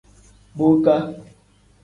Boka.